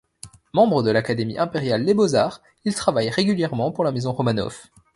Membre de l'Académie impériale des beaux-arts, il travaille régulièrement pour la maison Romanov.